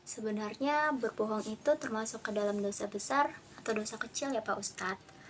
sebenarnya berbohong itu termasuk ke dalam dosa besar atau dosa kecil ya pak ustadz